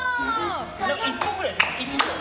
１歩ぐらいですよ。